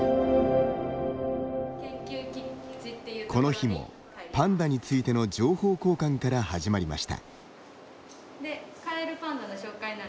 この日も、パンダについての情報交換から始まりました。